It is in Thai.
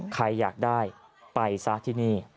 ใครอยากได้ไปซะที่นี่